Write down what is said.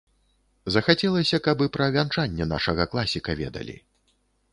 Захацелася, каб і пра вянчанне нашага класіка ведалі.